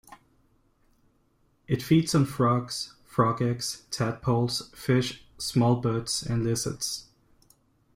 It feeds on frogs, frog eggs, tadpoles, fish, small birds and lizards.